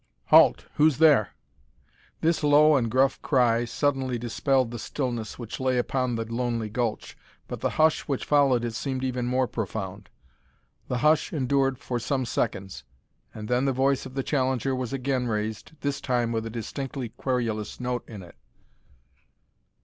"Halt! Who's there?" This low and gruff cry suddenly dispelled the stillness which lay upon the lonely gulch, but the hush which followed it seemed even more profound. The hush endured for some seconds, and then the voice of the challenger was again raised, this time with a distinctly querulous note in it.